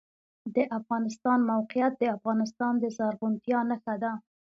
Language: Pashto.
د افغانستان موقعیت د افغانستان د زرغونتیا نښه ده.